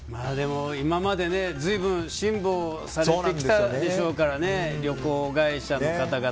今まで随分辛抱されてきたでしょうから旅行会社の方々